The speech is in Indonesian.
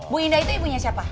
bu indah itu ibunya siapa